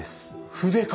筆か。